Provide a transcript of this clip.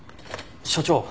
所長